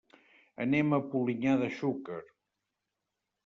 Anem a Polinyà de Xúquer.